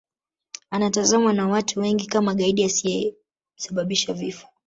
Anatazamwa na watu wengi kama gaidi aliyesababisha vifo